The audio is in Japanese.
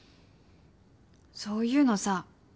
そういうのさ